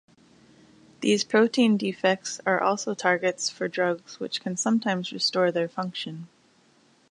These protein defects are also targets for drugs which can sometimes restore their function.